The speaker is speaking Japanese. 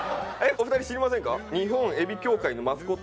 お二人知りませんか？